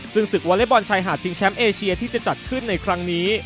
ซึ่งศึกวอเล็กบอลชายหาดชิงแชมป์เอเชียที่จะจัดขึ้นในครั้งนี้